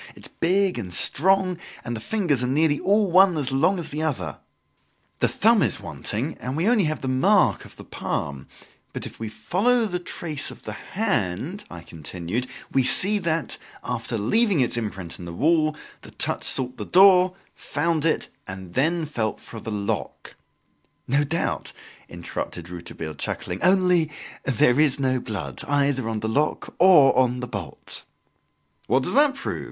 It is big and strong and the fingers are nearly all one as long as the other! The thumb is wanting and we have only the mark of the palm; but if we follow the trace of the hand," I continued, "we see that, after leaving its imprint on the wall, the touch sought the door, found it, and then felt for the lock " "No doubt," interrupted Rouletabille, chuckling, "only there is no blood, either on the lock or on the bolt!" "What does that prove?"